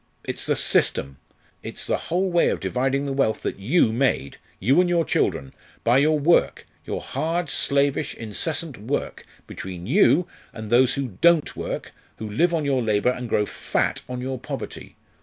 It's the system. It's the whole way of dividing the wealth that you made, you and your children by your work, your hard, slavish, incessant work between you and those who don't work, who live on your labour and grow fat on your poverty!